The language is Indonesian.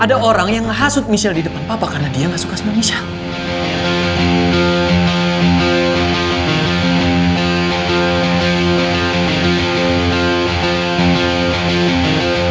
ada orang yang ngehasut michelle di depan papa karena dia nggak suka sama michelle